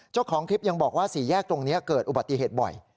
เจ้าของคลิปยังบอกว่าสี่แยกตรงนี้เกิดอุบัติเหตุบ่อย